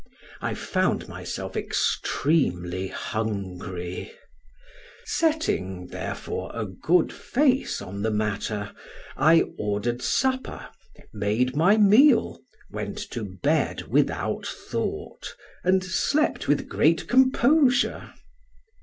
I found myself extremely hungry setting, therefore, a good face on the matter, I ordered supper, made my meal, went to bed without thought and slept with great composure.